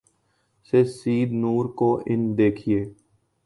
سے سید نور کو ان دیکھے